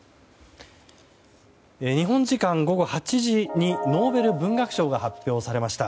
日本時間午後８時にノーベル文学賞が発表されました。